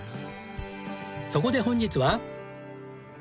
そこで本日は。